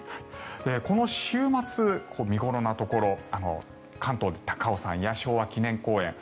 この週末、見頃なところ関東で高尾山や昭和記念公園